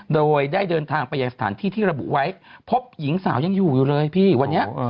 โดยได้เดินทางไปยังสถานที่ที่ระบุไว้พบหญิงสาวยังอยู่อยู่เลยพี่วันนี้